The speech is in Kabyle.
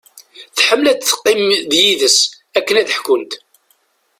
Tḥemmel ad teqqim d yid-s akken ad ḥkunt.